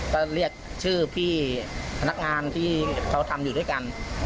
ก็เรียกชื่อพี่พนักงานที่เขาทำอยู่ด้วยกัน